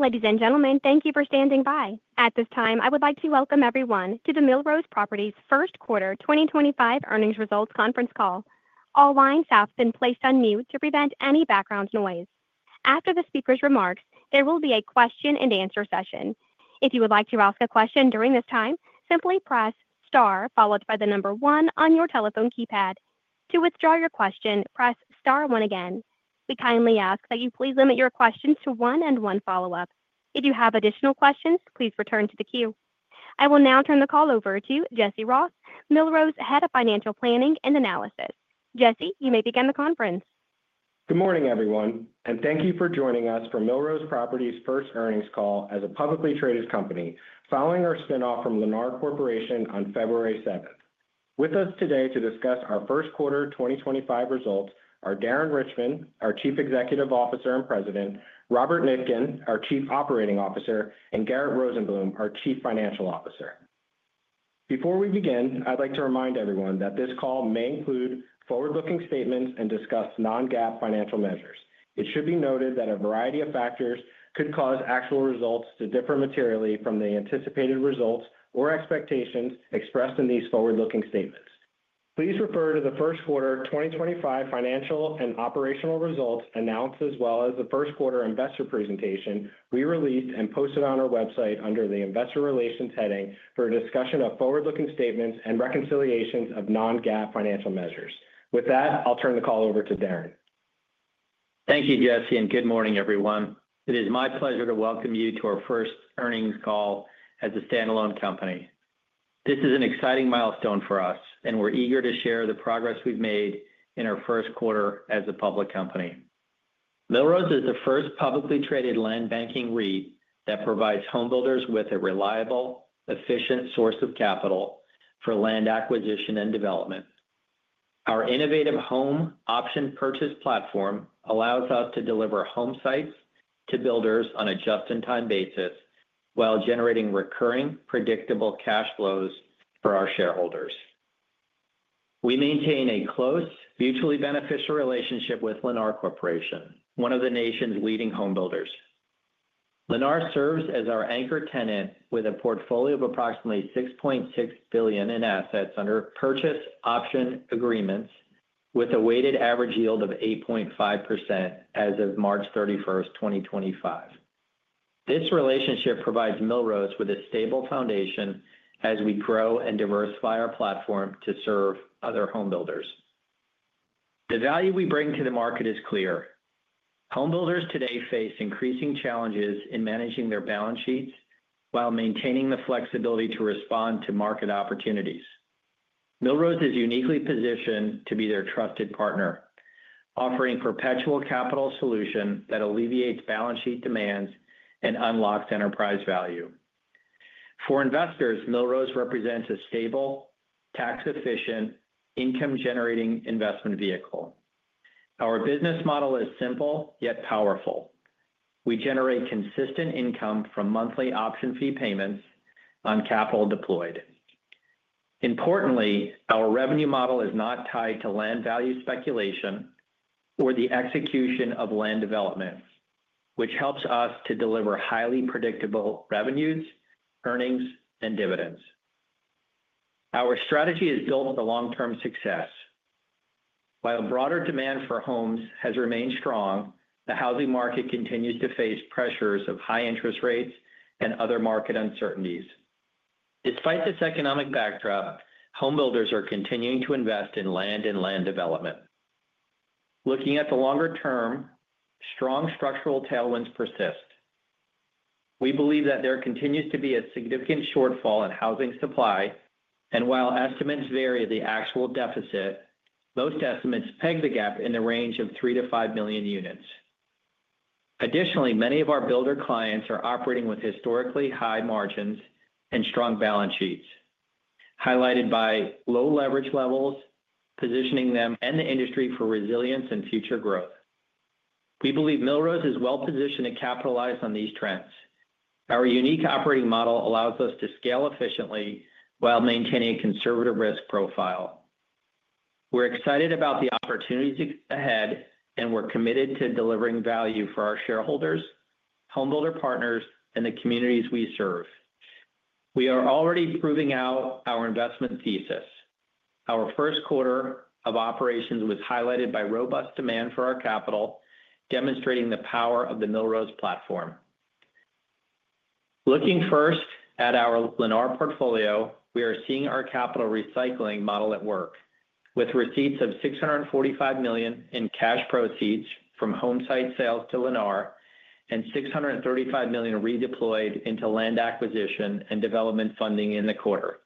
Ladies and gentlemen, thank you for standing by. At this time, I would like to welcome everyone to the Millrose Properties first quarter 2025 earnings results conference call. All lines have been placed on mute to prevent any background noise. After the speaker's remarks, there will be a question-and-answer session. If you would like to ask a question during this time, simply press star followed by the number one on your telephone keypad. To withdraw your question, press star one again. We kindly ask that you please limit your questions to one and one follow-up. If you have additional questions, please return to the queue. I will now turn the call over to Jesse Ross, Millrose Head of Financial Planning and Analysis. Jesse, you may begin the conference. Good morning, everyone, and thank you for joining us for Millrose Properties first earnings call as a publicly traded company following our spinoff from Lennar Corporation on February 7th. With us today to discuss our first quarter 2025 results are Darren Richman, our Chief Executive Officer and President, Robert Nitkin, our Chief Operating Officer, and Garett Rosenblum, our Chief Financial Officer. Before we begin, I'd like to remind everyone that this call may include forward-looking statements and discuss non-GAAP financial measures. It should be noted that a variety of factors could cause actual results to differ materially from the anticipated results or expectations expressed in these forward-looking statements. Please refer to the first quarter 2025 financial and operational results announced as well as the first quarter investor presentation we released and posted on our website under the Investor Relations heading for a discussion of forward-looking statements and reconciliations of non-GAAP financial measures. With that, I'll turn the call over to Darren. Thank you, Jesse, and good morning, everyone. It is my pleasure to welcome you to our first earnings call as a standalone company. This is an exciting milestone for us, and we're eager to share the progress we've made in our first quarter as a public company. Millrose is the first publicly traded land banking REIT that provides home builders with a reliable, efficient source of capital for land acquisition and development. Our innovative home option purchase platform allows us to deliver home sites to builders on a just-in-time basis while generating recurring, predictable cash flows for our shareholders. We maintain a close, mutually beneficial relationship with Lennar Corporation, one of the nation's leading home builders. Lennar serves as our anchor tenant with a portfolio of approximately $6.6 billion in assets under purchase option agreements with a weighted average yield of 8.5% as of March 31, 2025. This relationship provides Millrose with a stable foundation as we grow and diversify our platform to serve other home builders. The value we bring to the market is clear. Home builders today face increasing challenges in managing their balance sheets while maintaining the flexibility to respond to market opportunities. Millrose is uniquely positioned to be their trusted partner, offering perpetual capital solutions that alleviate balance sheet demands and unlock enterprise value. For investors, Millrose represents a stable, tax-efficient, income-generating investment vehicle. Our business model is simple yet powerful. We generate consistent income from monthly option fee payments on capital deployed. Importantly, our revenue model is not tied to land value speculation or the execution of land development, which helps us to deliver highly predictable revenues, earnings, and dividends. Our strategy is built for long-term success. While broader demand for homes has remained strong, the housing market continues to face pressures of high interest rates and other market uncertainties. Despite this economic backdrop, home builders are continuing to invest in land and land development. Looking at the longer term, strong structural tailwinds persist. We believe that there continues to be a significant shortfall in housing supply, and while estimates vary the actual deficit, most estimates peg the gap in the range of $3 million-$5 million units. Additionally, many of our builder clients are operating with historically high margins and strong balance sheets, highlighted by low leverage levels, positioning them and the industry for resilience and future growth. We believe Millrose is well-positioned to capitalize on these trends. Our unique operating model allows us to scale efficiently while maintaining a conservative risk profile. We're excited about the opportunities ahead, and we're committed to delivering value for our shareholders, home builder partners, and the communities we serve. We are already proving out our investment thesis. Our first quarter of operations was highlighted by robust demand for our capital, demonstrating the power of the Millrose platform. Looking first at our Lennar portfolio, we are seeing our capital recycling model at work with receipts of $645 million in cash proceeds from home site sales to Lennar and $635 million redeployed into land acquisition and development funding in the quarter.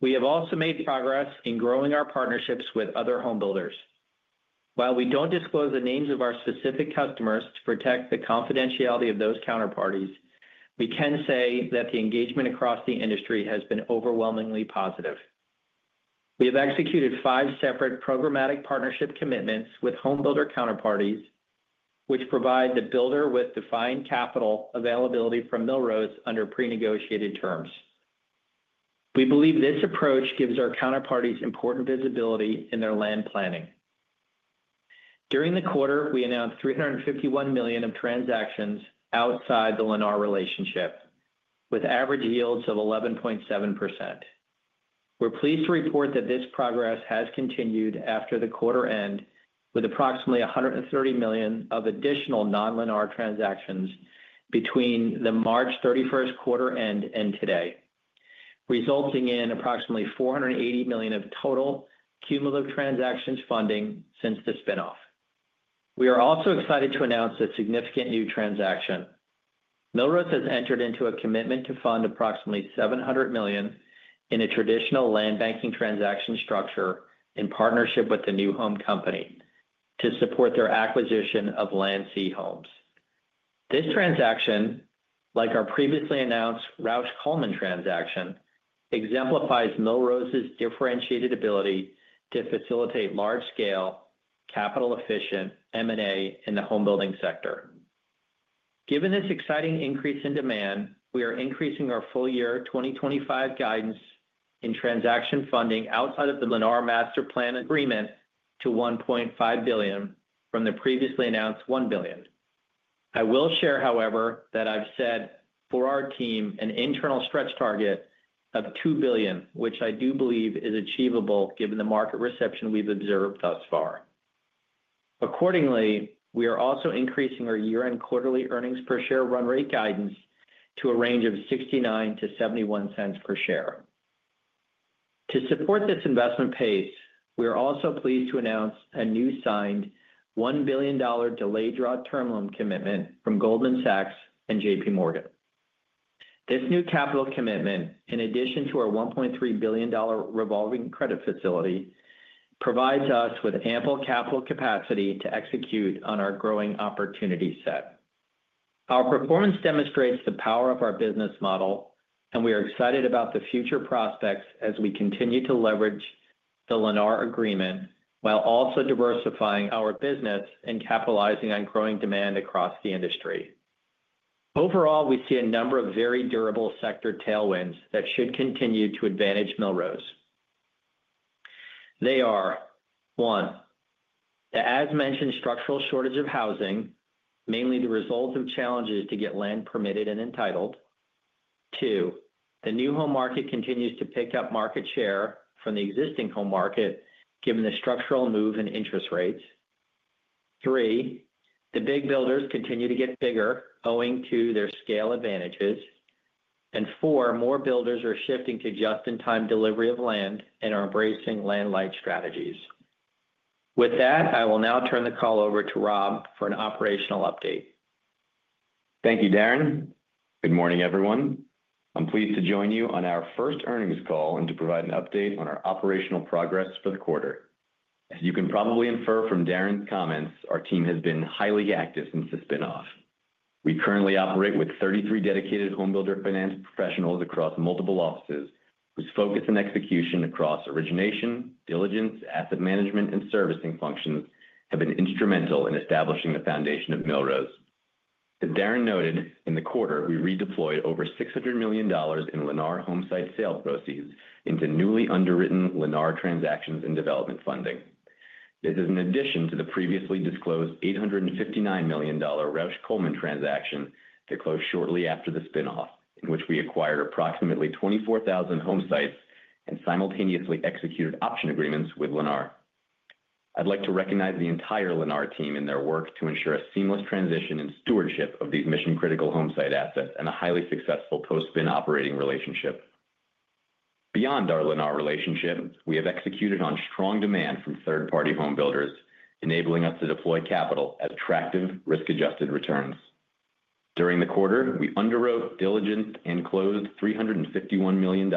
We have also made progress in growing our partnerships with other home builders. While we do not disclose the names of our specific customers to protect the confidentiality of those counterparties, we can say that the engagement across the industry has been overwhelmingly positive. We have executed five separate programmatic partnership commitments with home builder counterparties, which provide the builder with defined capital availability from Millrose under pre-negotiated terms. We believe this approach gives our counterparties important visibility in their land planning. During the quarter, we announced $351 million of transactions outside the Lennar relationship, with average yields of 11.7%. We're pleased to report that this progress has continued after the quarter end, with approximately $130 million of additional non-Lennar transactions between the March 31st quarter end and today, resulting in approximately $480 million of total cumulative transactions funding since the spinoff. We are also excited to announce a significant new transaction. Millrose has entered into a commitment to fund approximately $700 million in a traditional land banking transaction structure in partnership with New Home Company to support their acquisition of Land C Homes. This transaction, like our previously announced Rausch Coleman transaction, exemplifies Millrose's differentiated ability to facilitate large-scale, capital-efficient M&A in the home building sector. Given this exciting increase in demand, we are increasing our full year 2025 guidance in transaction funding outside of the Lennar Master Plan agreement to $1.5 billion from the previously announced $1 billion. I will share, however, that I've set for our team an internal stretch target of $2 billion, which I do believe is achievable given the market reception we've observed thus far. Accordingly, we are also increasing our year-end quarterly earnings per share run rate guidance to a range of $0.69-$0.71 per share. To support this investment pace, we are also pleased to announce a new signed $1 billion delayed draw term loan commitment from Goldman Sachs and JPMorgan. This new capital commitment, in addition to our $1.3 billion revolving credit facility, provides us with ample capital capacity to execute on our growing opportunity set. Our performance demonstrates the power of our business model, and we are excited about the future prospects as we continue to leverage the Lennar agreement while also diversifying our business and capitalizing on growing demand across the industry. Overall, we see a number of very durable sector tailwinds that should continue to advantage Millrose. They are: one, the as-mentioned structural shortage of housing, mainly the result of challenges to get land permitted and entitled. Two, the new home market continues to pick up market share from the existing home market given the structural move in interest rates. Three, the big builders continue to get bigger, owing to their scale advantages. Four, more builders are shifting to just-in-time delivery of land and are embracing land-light strategies. With that, I will now turn the call over to Rob for an operational update. Thank you, Darren. Good morning, everyone. I'm pleased to join you on our first earnings call and to provide an update on our operational progress for the quarter. As you can probably infer from Darren's comments, our team has been highly active since the spinoff. We currently operate with 33 dedicated home builder finance professionals across multiple offices, whose focus and execution across origination, diligence, asset management, and servicing functions have been instrumental in establishing the foundation of Millrose. As Darren noted, in the quarter, we redeployed over $600 million in Lennar home site sales proceeds into newly underwritten Lennar transactions and development funding. This is in addition to the previously disclosed $859 million Rausch Coleman transaction that closed shortly after the spinoff, in which we acquired approximately 24,000 home sites and simultaneously executed option agreements with Lennar. I'd like to recognize the entire Lennar team in their work to ensure a seamless transition and stewardship of these mission-critical home site assets and a highly successful post-spin operating relationship. Beyond our Lennar relationship, we have executed on strong demand from third-party home builders, enabling us to deploy capital at attractive, risk-adjusted returns. During the quarter, we underwrote, diligenced, and closed $351 million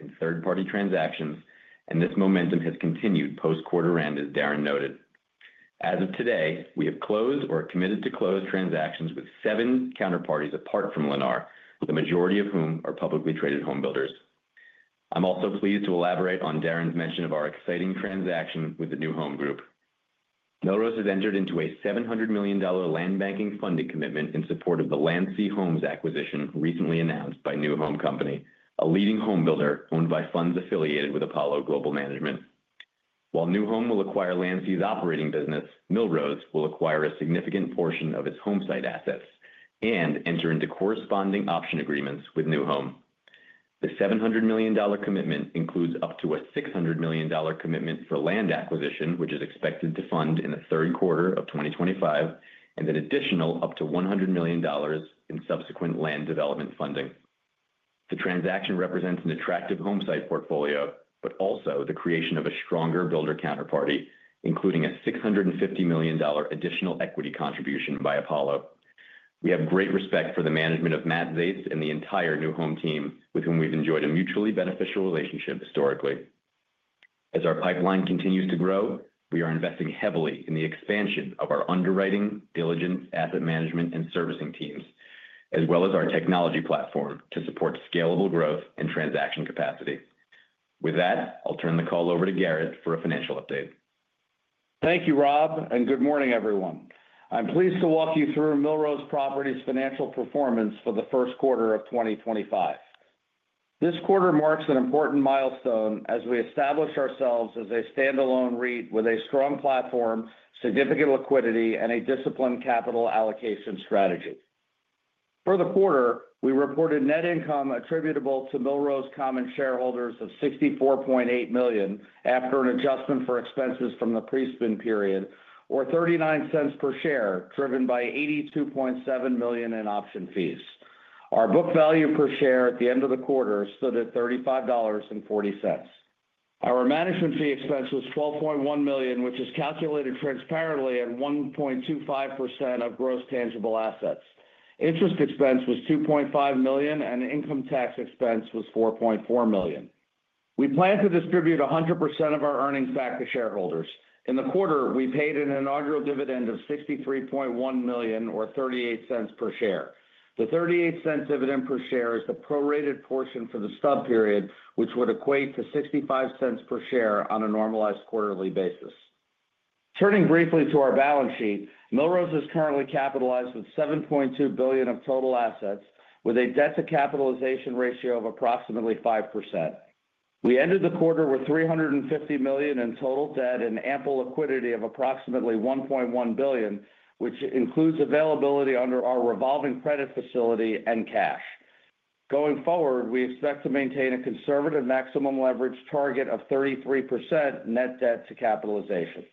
in third-party transactions, and this momentum has continued post-quarter end, as Darren noted. As of today, we have closed or are committed to close transactions with seven counterparties apart from Lennar, the majority of whom are publicly traded home builders. I'm also pleased to elaborate on Darren's mention of our exciting transaction with New Home Company. Millrose has entered into a $700 million land banking funding commitment in support of the Landsea Homes acquisition recently announced by New Home Company, a leading home builder owned by funds affiliated with Apollo Global Management. While New Home will acquire Landsea's operating business, Millrose will acquire a significant portion of its home site assets and enter into corresponding option agreements with New Home. The $700 million commitment includes up to a $600 million commitment for land acquisition, which is expected to fund in the third quarter of 2025, and an additional up to $100 million in subsequent land development funding. The transaction represents an attractive home site portfolio, but also the creation of a stronger builder counterparty, including a $650 million additional equity contribution by Apollo. We have great respect for the management of Matt Zaist and the entire New Home team, with whom we've enjoyed a mutually beneficial relationship historically. As our pipeline continues to grow, we are investing heavily in the expansion of our underwriting, diligence, asset management, and servicing teams, as well as our technology platform to support scalable growth and transaction capacity. With that, I'll turn the call over to Garett for a financial update. Thank you, Rob, and good morning, everyone. I'm pleased to walk you through Millrose Properties' financial performance for the first quarter of 2025. This quarter marks an important milestone as we established ourselves as a standalone REIT with a strong platform, significant liquidity, and a disciplined capital allocation strategy. For the quarter, we reported net income attributable to Millrose common shareholders of $64.8 million after an adjustment for expenses from the pre-spin period, or $0.39 per share, driven by $82.7 million in option fees. Our book value per share at the end of the quarter stood at $35.40. Our management fee expense was $12.1 million, which is calculated transparently at 1.25% of gross tangible assets. Interest expense was $2.5 million, and income tax expense was $4.4 million. We plan to distribute 100% of our earnings back to shareholders. In the quarter, we paid an inaugural dividend of $63.1 million, or $0.38 per share. The $0.38 dividend per share is the prorated portion for the stub period, which would equate to $0.65 per share on a normalized quarterly basis. Turning briefly to our balance sheet, Millrose is currently capitalized with $7.2 billion of total assets, with a debt-to-capitalization ratio of approximately 5%. We ended the quarter with $350 million in total debt and ample liquidity of approximately $1.1 billion, which includes availability under our revolving credit facility and cash. Going forward, we expect to maintain a conservative maximum leverage target of 33% net debt-to-capitalization.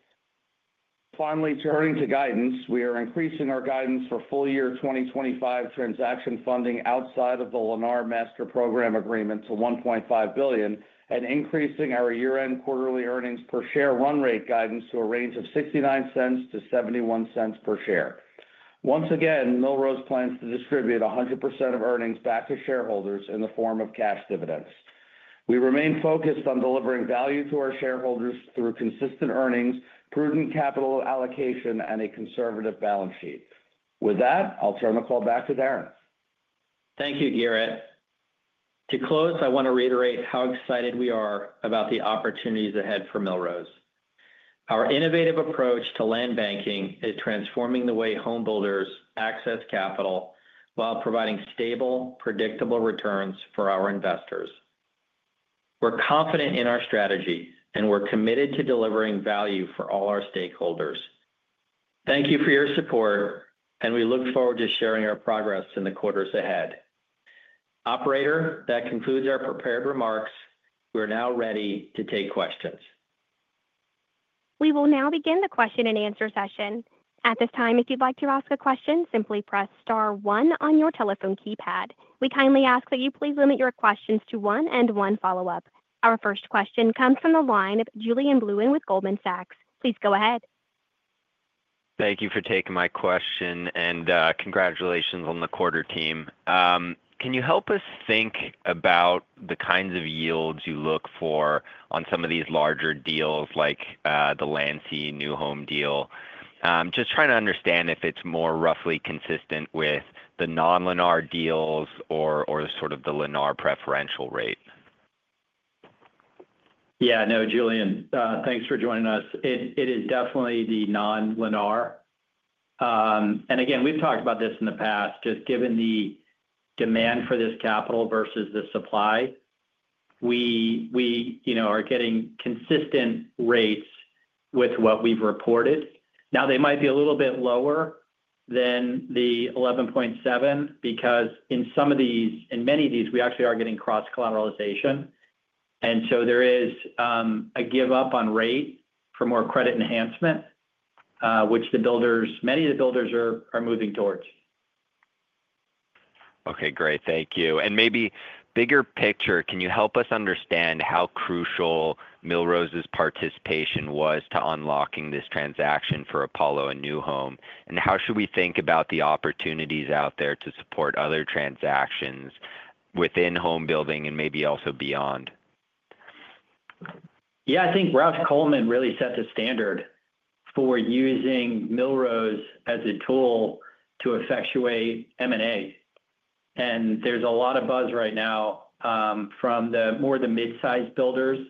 Finally, turning to guidance, we are increasing our guidance for full year 2025 transaction funding outside of the Lennar Master Program agreement to $1.5 billion and increasing our year-end quarterly earnings per share run rate guidance to a range of $0.69-$0.71 per share. Once again, Millrose plans to distribute 100% of earnings back to shareholders in the form of cash dividends. We remain focused on delivering value to our shareholders through consistent earnings, prudent capital allocation, and a conservative balance sheet. With that, I'll turn the call back to Darren. Thank you, Garett. To close, I want to reiterate how excited we are about the opportunities ahead for Millrose. Our innovative approach to land banking is transforming the way home builders access capital while providing stable, predictable returns for our investors. We're confident in our strategy, and we're committed to delivering value for all our stakeholders. Thank you for your support, and we look forward to sharing our progress in the quarters ahead. Operator, that concludes our prepared remarks. We are now ready to take questions. We will now begin the question and answer session. At this time, if you'd like to ask a question, simply press star one on your telephone keypad. We kindly ask that you please limit your questions to one and one follow-up. Our first question comes from the line of Julian Blouin with Goldman Sachs. Please go ahead. Thank you for taking my question, and congratulations on the quarter team. Can you help us think about the kinds of yields you look for on some of these larger deals, like the Landsea New Home deal? Just trying to understand if it's more roughly consistent with the non-Lennar deals or sort of the Lennar preferential rate. Yeah, no, Julien, thanks for joining us. It is definitely the non-Lennar. Again, we've talked about this in the past. Just given the demand for this capital versus the supply, we are getting consistent rates with what we've reported. Now, they might be a little bit lower than the 11.7 because in some of these, in many of these, we actually are getting cross-collateralization. There is a give-up on rate for more credit enhancement, which the builders, many of the builders, are moving towards. Okay, great. Thank you. Maybe bigger picture, can you help us understand how crucial Millrose's participation was to unlocking this transaction for Apollo and New Home? How should we think about the opportunities out there to support other transactions within home building and maybe also beyond? Yeah, I think Rausch Coleman really set the standard for using Millrose as a tool to effectuate M&A. There's a lot of buzz right now from more of the mid-sized builders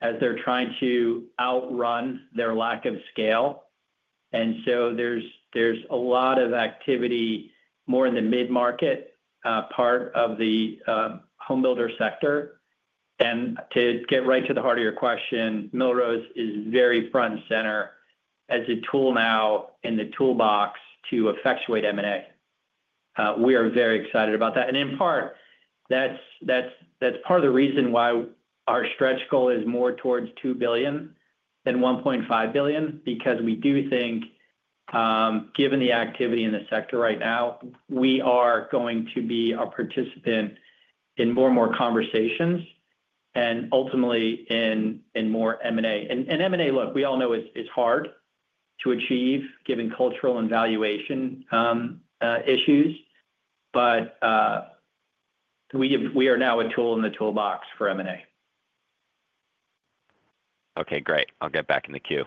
as they're trying to outrun their lack of scale. There's a lot of activity more in the mid-market part of the home builder sector. To get right to the heart of your question, Millrose is very front and center as a tool now in the toolbox to effectuate M&A. We are very excited about that. In part, that's part of the reason why our stretch goal is more towards $2 billion than $1.5 billion, because we do think, given the activity in the sector right now, we are going to be a participant in more and more conversations and ultimately in more M&A. M&A, look, we all know it's hard to achieve given cultural and valuation issues, but we are now a tool in the toolbox for M&A. Okay, great. I'll get back in the queue.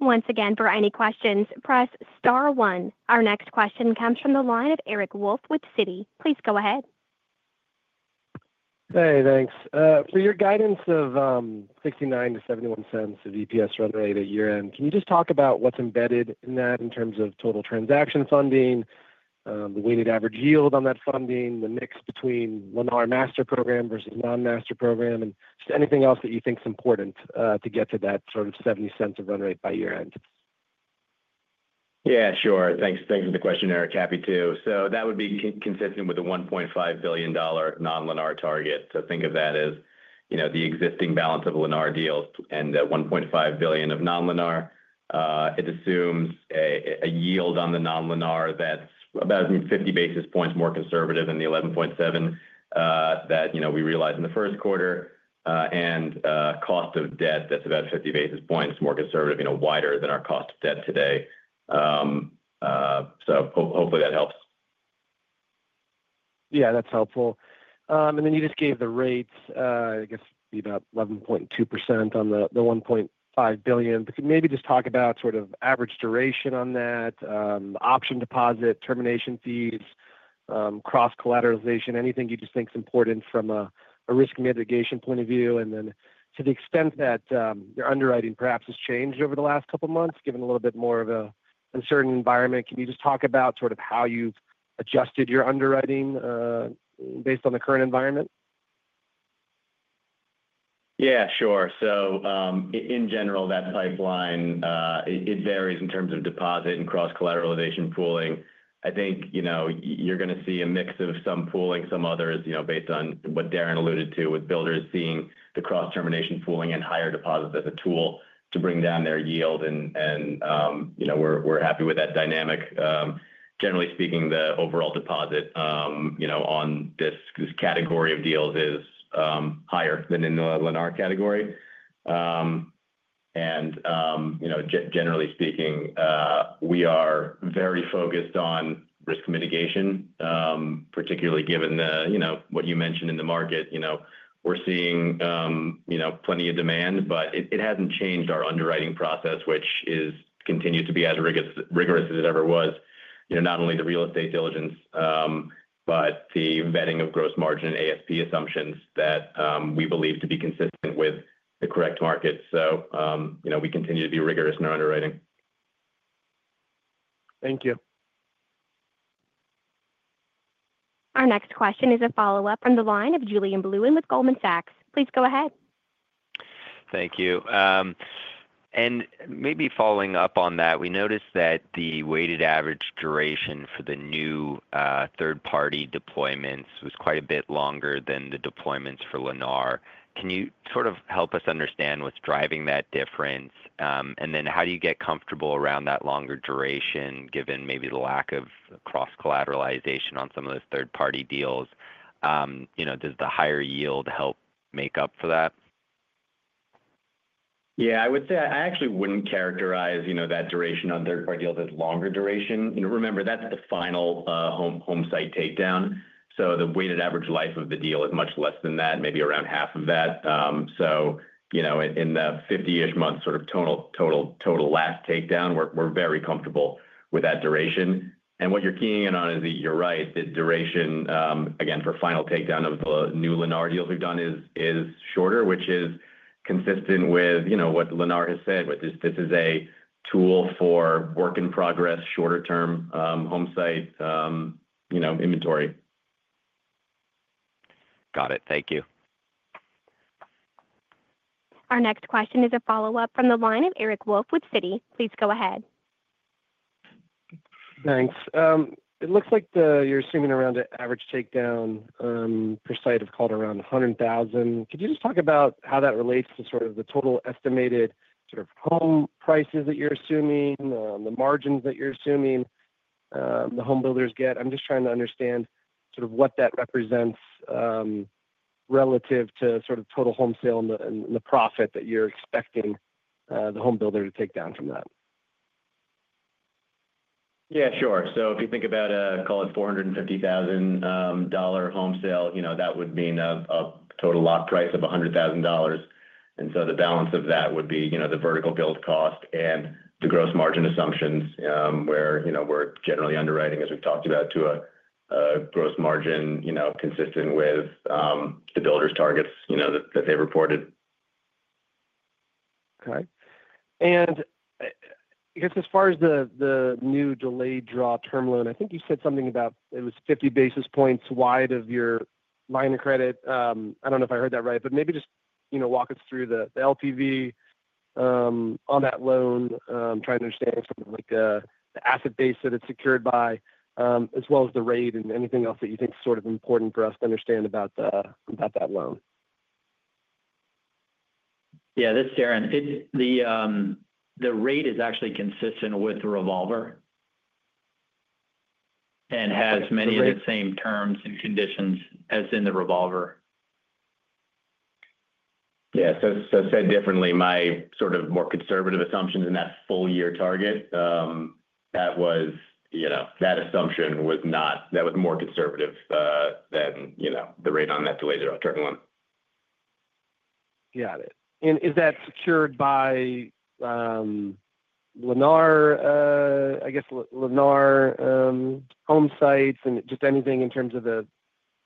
Once again, for any questions, press star one. Our next question comes from the line of Eric Wolfe with Citi. Please go ahead. Hey, thanks. For your guidance of $0.69-$0.71 of EPS run rate at year-end, can you just talk about what's embedded in that in terms of total transaction funding, the weighted average yield on that funding, the mix between Lennar Master Program versus non-Master Program, and just anything else that you think is important to get to that sort of $0.70 of run rate by year-end? Yeah, sure. Thanks for the question, Eric. Happy to. That would be consistent with the $1.5 billion non-Lennar target. Think of that as the existing balance of Lennar deals and the $1.5 billion of non-Lennar. It assumes a yield on the non-Lennar that's about 50 basis points more conservative than the 11.7 that we realized in the first quarter and cost of debt that's about 50 basis points more conservative and wider than our cost of debt today. Hopefully that helps. Yeah, that's helpful. You just gave the rates, I guess, be about 11.2% on the $1.5 billion. Maybe just talk about sort of average duration on that, option deposit, termination fees, cross-collateralization, anything you just think is important from a risk mitigation point of view. To the extent that your underwriting perhaps has changed over the last couple of months, given a little bit more of an uncertain environment, can you just talk about sort of how you've adjusted your underwriting based on the current environment? Yeah, sure. In general, that pipeline varies in terms of deposit and cross-collateralization pooling. I think you're going to see a mix of some pooling, some others, based on what Darren alluded to with builders seeing the cross-termination pooling and higher deposits as a tool to bring down their yield. We're happy with that dynamic. Generally speaking, the overall deposit on this category of deals is higher than in the Lennar category. Generally speaking, we are very focused on risk mitigation, particularly given what you mentioned in the market. We're seeing plenty of demand, but it hasn't changed our underwriting process, which continues to be as rigorous as it ever was. Not only the real estate diligence, but the vetting of gross margin and ASP assumptions that we believe to be consistent with the correct market. We continue to be rigorous in our underwriting. Thank you. Our next question is a follow-up from the line of Julian Blouin with Goldman Sachs. Please go ahead. Thank you. Maybe following up on that, we noticed that the weighted average duration for the new third-party deployments was quite a bit longer than the deployments for Lennar. Can you sort of help us understand what's driving that difference? How do you get comfortable around that longer duration, given maybe the lack of cross-collateralization on some of those third-party deals? Does the higher yield help make up for that? Yeah, I would say I actually would not characterize that duration on third-party deals as longer duration. Remember, that is the final home site takedown. The weighted average life of the deal is much less than that, maybe around half of that. In the 50-ish months sort of total last takedown, we are very comfortable with that duration. What you are keying in on is that you are right, the duration, again, for final takedown of the new Lennar deals we have done is shorter, which is consistent with what Lennar has said, which is this is a tool for work in progress, shorter-term home site inventory. Got it. Thank you. Our next question is a follow-up from the line of Eric Wolfe with Citi. Please go ahead. Thanks. It looks like you're assuming around the average takedown per site of, call it, around $100,000. Could you just talk about how that relates to sort of the total estimated sort of home prices that you're assuming, the margins that you're assuming the home builders get? I'm just trying to understand sort of what that represents relative to sort of total home sale and the profit that you're expecting the home builder to take down from that. Yeah, sure. If you think about a, call it, $450,000 home sale, that would mean a total lot price of $100,000. The balance of that would be the vertical build cost and the gross margin assumptions where we're generally underwriting, as we've talked about, to a gross margin consistent with the builders' targets that they reported. Okay. I guess as far as the new delayed draw term loan, I think you said something about it was 50 basis points wide of your line of credit. I do not know if I heard that right, but maybe just walk us through the LTV on that loan, trying to understand sort of the asset base that it is secured by, as well as the rate and anything else that you think is sort of important for us to understand about that loan. Yeah, this is Darren. The rate is actually consistent with the revolver and has many of the same terms and conditions as in the revolver. Yeah, so said differently, my sort of more conservative assumptions in that full year target, that assumption was not, that was more conservative than the rate on that delayed draw term loan. Got it. Is that secured by Lennar, I guess, Lennar home sites and just anything in terms of the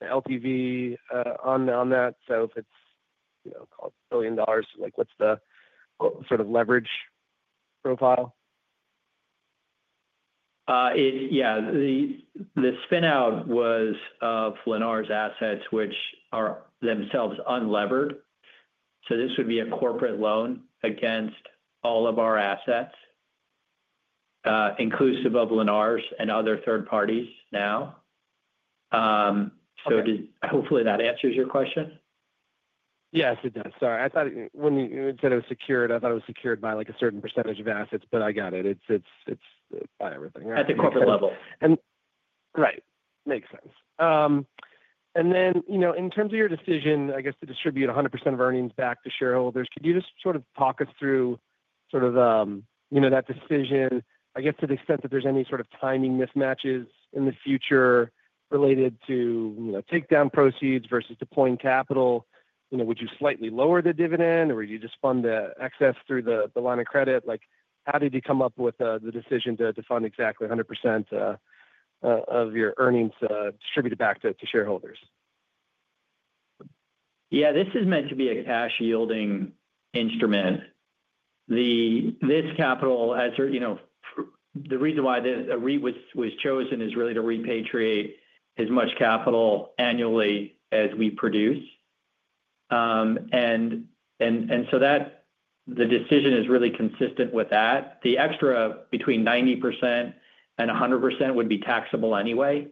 LTV on that? If it's $1 billion, what's the sort of leverage profile? Yeah. The spin-out was of Lennar's assets, which are themselves unlevered. This would be a corporate loan against all of our assets, inclusive of Lennar's and other third parties now. Hopefully that answers your question. Yes, it does. Sorry. When you said it was secured, I thought it was secured by a certain percentage of assets, but I got it. It's by everything. At the corporate level. Right. Makes sense. In terms of your decision, I guess, to distribute 100% of earnings back to shareholders, could you just sort of talk us through sort of that decision, I guess, to the extent that there's any sort of timing mismatches in the future related to takedown proceeds versus deploying capital? Would you slightly lower the dividend, or would you just fund the excess through the line of credit? How did you come up with the decision to fund exactly 100% of your earnings distributed back to shareholders? Yeah, this is meant to be a cash yielding instrument. This capital, the reason why a REIT was chosen is really to repatriate as much capital annually as we produce. The decision is really consistent with that. The extra between 90% and 100% would be taxable anyway.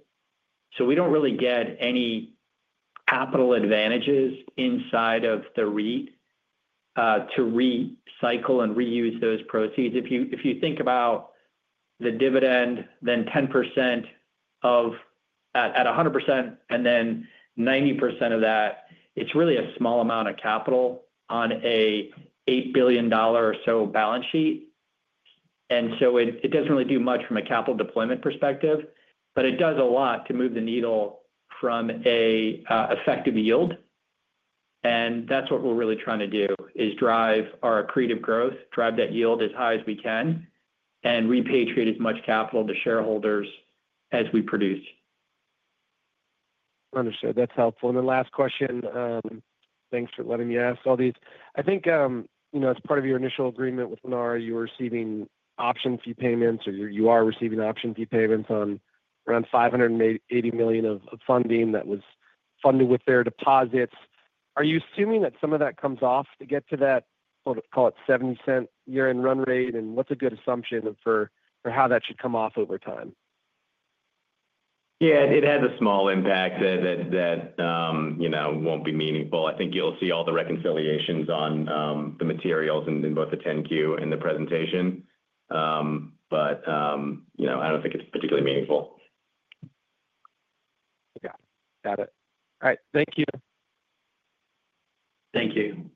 We do not really get any capital advantages inside of the REIT to recycle and reuse those proceeds. If you think about the dividend, then 10% of at 100% and then 90% of that, it is really a small amount of capital on an $8 billion or so balance sheet. It does not really do much from a capital deployment perspective, but it does a lot to move the needle from an effective yield. That is what we are really trying to do, drive our accretive growth, drive that yield as high as we can, and repatriate as much capital to shareholders as we produce. Understood. That's helpful. The last question, thanks for letting me ask all these. I think as part of your initial agreement with Lennar, you were receiving option fee payments, or you are receiving option fee payments on around $580 million of funding that was funded with their deposits. Are you assuming that some of that comes off to get to that, call it, $0.70 year-end run rate? What's a good assumption for how that should come off over time? Yeah, it has a small impact that won't be meaningful. I think you'll see all the reconciliations on the materials in both the 10-Q and the presentation. I don't think it's particularly meaningful. Okay. Got it. All right. Thank you. Thank you.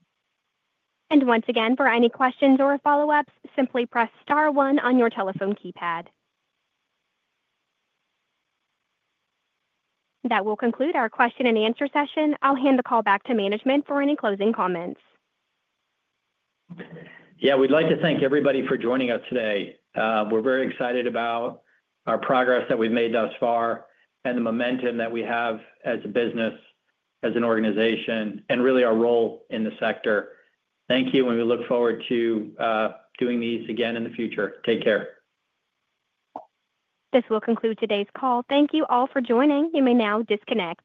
For any questions or follow-ups, simply press star one on your telephone keypad. That will conclude our question and answer session. I'll hand the call back to management for any closing comments. Yeah, we'd like to thank everybody for joining us today. We're very excited about our progress that we've made thus far and the momentum that we have as a business, as an organization, and really our role in the sector. Thank you, and we look forward to doing these again in the future. Take care. This will conclude today's call. Thank you all for joining. You may now disconnect.